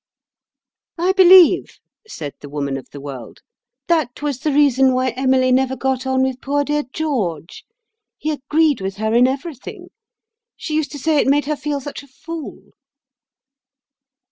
"I believe," said the Woman of the World, "that was the reason why Emily never got on with poor dear George. He agreed with her in everything. She used to say it made her feel such a fool."